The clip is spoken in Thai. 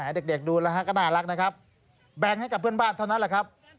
เด็กดูแล้วก็น่ารักนะครับแบ่งให้กับเพื่อนบ้านเท่านั้นแหละครับ